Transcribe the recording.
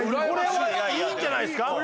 これはいいんじゃないですか？